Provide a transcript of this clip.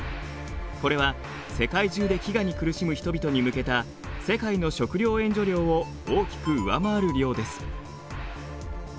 これは世界中で飢餓に苦しむ人々に向けた世界の食料援助量を大きく上回る量です。